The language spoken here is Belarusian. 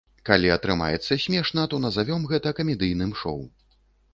Калі атрымаецца смешна, то назавём гэта камедыйным шоу.